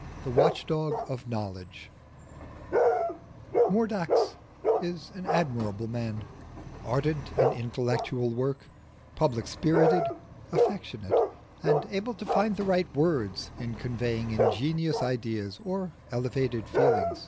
THE WATCH DOG OF KNOWLEDGE Mordax is an admirable man, ardent in intellectual work, public spirited, affectionate, and able to find the right words in conveying ingenious ideas or elevated feeling.